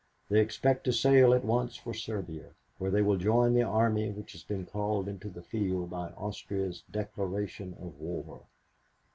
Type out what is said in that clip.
They expect to sail at once for Serbia, where they will join the army which has been called into the field by Austria's declaration of war.